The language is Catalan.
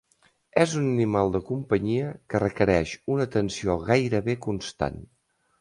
És un animal de companyia que requereix una atenció gairebé constant.